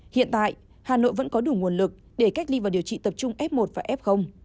hiện tại hà nội vẫn có đủ nguồn lực để cách ly và điều trị tập trung f một và f